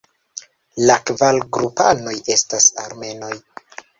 La kvar grupanoj estas Armenoj.